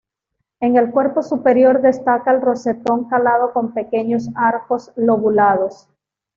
El en cuerpo superior destaca el rosetón calado con pequeños arcos lobulados.